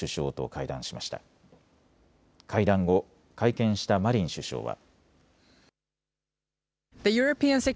会談後、会見したマリン首相は。